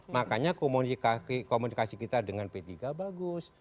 makanya komunikasi kita dengan p tiga bagus